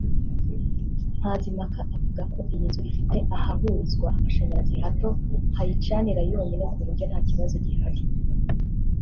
Mazimpaka avuga ko iyi nzu ifite ahahurizwa amashanyarazi hato hayicanira yonyine ku buryo nta kibazo gihari